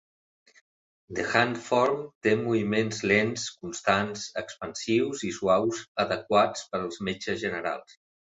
The Hand Form té moviments lents, constants, expansius i suaus, adequats per als metges generals.